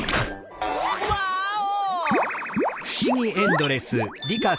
ワーオ！